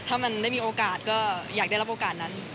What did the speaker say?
ถ้ามันได้มีโอกาสก็อยากได้รับโอกาสนั้น